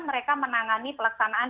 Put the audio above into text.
mereka menangani pelaksanaan